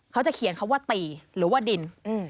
เขาจะเขียนคำว่าตีหรือว่าดิน